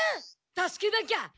助けなきゃ！